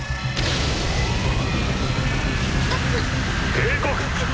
警告！